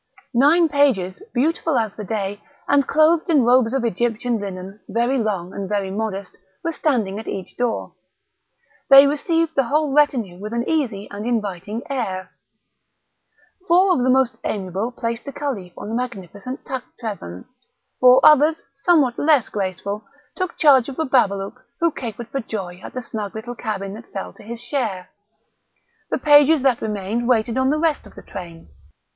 Nine pages, beautiful as the day, and clothed in robes of Egyptian linen, very long and very modest, were standing at each door. They received the whole retinue with an easy and inviting air. Four of the most amiable placed the Caliph on a magnificent taktrevan, four others, somewhat less graceful, took charge of Bababalouk, who capered for joy at the snug little cabin that fell to his share; the pages that remained waited on the rest of the train.